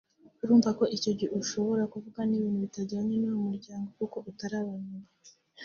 urumva ko icyo gihe ushobora kuvuga n’ibintu bitajyanye n’uwo muryango kuko uba utarabamenya